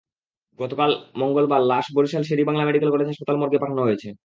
গতকাল মঙ্গলবার লাশ বরিশাল শের-ই-বাংলা মেডিকেল কলেজ হাসপাতালের মর্গে পাঠানো হয়েছে।